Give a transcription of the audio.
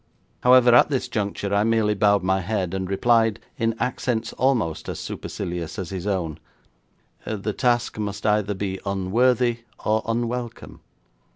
However, at this juncture I merely bowed my head, and replied in accents almost as supercilious as his own: 'The task must either be unworthy or unwelcome.